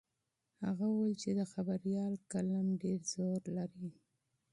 هغه وویل چې د خبریال قلم ډېر زور لري.